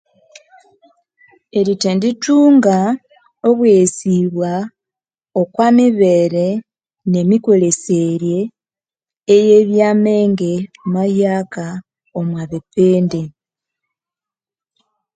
Erithendithunga obweghesibwa okwamibere nemikolyesere eyebyamenge mahyaka omwabipindi